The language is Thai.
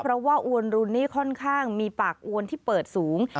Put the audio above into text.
เพราะว่าอวนรุนนี่ค่อนข้างมีปากอวนที่เปิดสูง